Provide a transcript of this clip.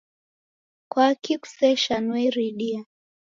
Kwaki kuseshanue iridia?